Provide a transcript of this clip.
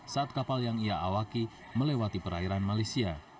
saat kapal yang ia awaki melewati perairan malaysia